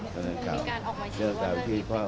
มันเรื่องเก่าเรื่องเก่าเรื่องเก่า